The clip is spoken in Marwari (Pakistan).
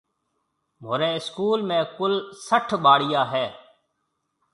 مهورِي اسڪول ۾ ڪُل سهٽ ٻاݪيا هيَ۔